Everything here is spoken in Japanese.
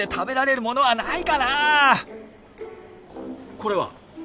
これは？